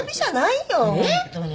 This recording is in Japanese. えっ？